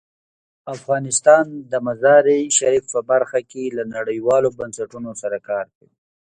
افغانستان د مزارشریف په برخه کې له نړیوالو بنسټونو سره کار کوي.